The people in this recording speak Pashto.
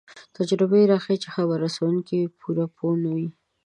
تجربه راښيي چې خبر رسوونکی پوره پوه نه وي.